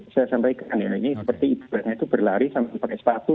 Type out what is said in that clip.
saya sampaikan ya ini seperti ibadahnya itu berlari sama pakai sepatu